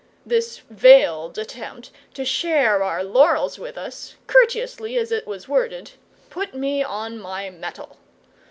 This veiled attempt to share our laurels with us, courteously as it was worded, put me on my mettle.